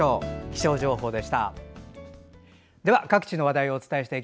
気象情報でした。